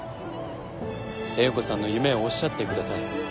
英子さんの夢をおっしゃってください。